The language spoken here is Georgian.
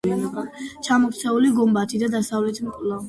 ჩამოქცეული გუმბათი და დასავლეთი მკლავი აღდგენილია.